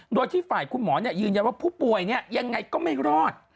โดยที่ฝ่ายคุณหมอยืนยันว่าผู้ป่วยยังไงก็ไม่รอด